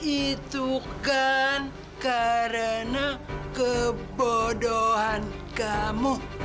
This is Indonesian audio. itu kan karena kebodohan kamu